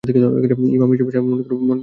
ইমাম সাহেব বেশ মন খারাপ করে চুপ হয়ে গেলেন।